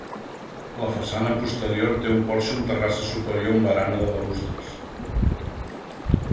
La façana posterior té un porxo amb terrassa superior amb barana de balustres.